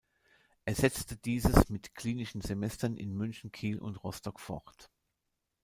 Er setzte dieses mit klinischen Semestern in München, Kiel und Rostock fort.